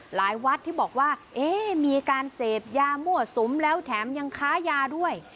หลายวัดที่บอกว่าเอ๊ะมีการเสพยาหมวดสุมแล้วแถมยังขายาด้วย